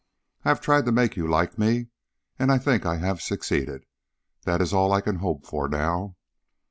I have tried to make you like me, and I think I have succeeded. That is all I can hope for now.